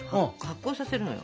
発酵させるのよ。